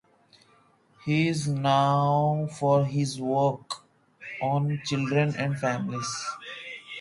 He is known for his work on children and families.